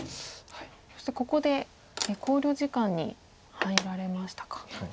そしてここで考慮時間に入られましたか。